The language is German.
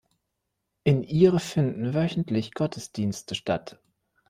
In ihr finden wöchentlich Gottesdienste statt.